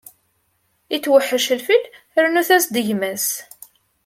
Itweḥḥec lfil, rnut-as-d gma-s!